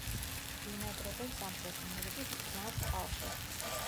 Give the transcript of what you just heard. ბინადრობენ სამხრეთ ამერიკის მტკნარ წყალში.